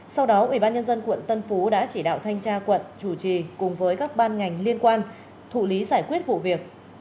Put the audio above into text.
sau đó ủy ban nhân dân quận tân phú đã chỉ đạo thanh tra quận chủ trì cùng với các ban ngành liên quan thụ lý giải quyết vụ việc